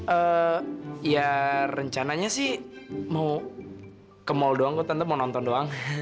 eh ya rencananya sih mau ke mall doang kok tentu mau nonton doang